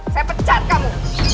saya pecat kamu